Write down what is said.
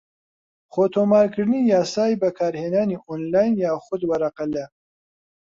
خۆتۆمارکردنی یاسای بەکارهێنانی ئۆنلاین یاخود وەرەقە لە